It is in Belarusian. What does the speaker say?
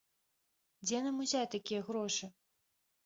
Дзе нам узяць такія грошы?